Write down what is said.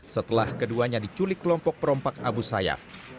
setelah keduanya diculik kelompok perompak abu sayyaf